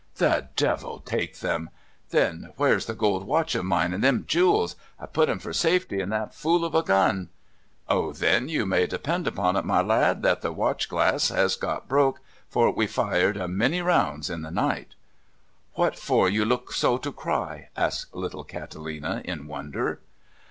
"The devil take them! Then, where's that gold watch of mine and them jewels? I put 'em for safety in that fool of a gun." "Oh, then, you may depend upon it, my lad, that the watch glass has got broke, for we fired a many rounds in the night." "What for you look so to cry?" asked little Catalina in wonder.